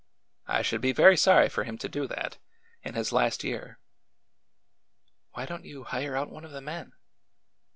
I should be very sorry for him to do that— in his last year." Why don't you hire out one of the men